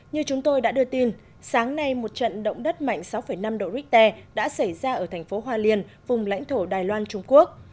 như chúng tôi đã đưa tin sáng nay một trận động đất mạnh sáu năm độ richter đã xảy ra ở thành phố hoa liên vùng lãnh thổ đài loan trung quốc